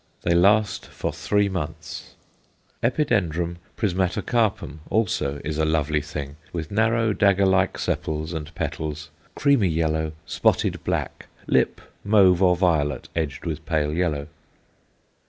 They last for three months. Epid. prismatocarpum, also, is a lovely thing, with narrow dagger like sepals and petals, creamy yellow, spotted black, lip mauve or violet, edged with pale yellow.